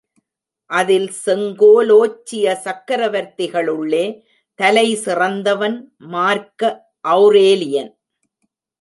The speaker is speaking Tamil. அதில் செங்கோலோச்சிய சக்ரவர்த்திகளுள்ளே தலை சிறந்தவன் மார்க்க ஒளரேலியன்.